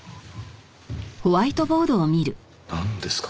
なんですか？